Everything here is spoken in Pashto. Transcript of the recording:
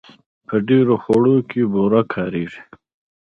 په ډېرو خوړو کې بوره کارېږي.